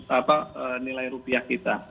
tadi bicara masalah faktor tekanan terkena